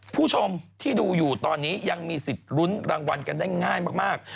ผู้ชมที่ดูอยู่ตอนนี้ยังมีสิทธิ์ลุ้นรางวัลกันได้ง่ายมาก